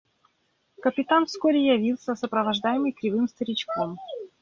– Капитан вскоре явился, сопровождаемый кривым старичком.